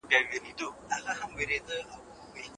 سفیران ولي د انسان حقونو ته درناوی کوي؟